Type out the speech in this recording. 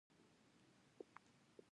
بې وزله باید مرسته شي